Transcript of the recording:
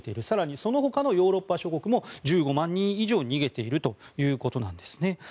更にそのほかのヨーロッパ諸国も１５万人以上逃げているということなんですね。